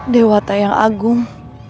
dewata yang agung